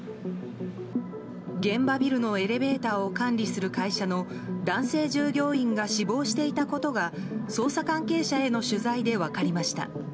現場ビルのエレベーターを管理する会社の男性従業員が死亡していたことが捜査関係者への取材で分かりました。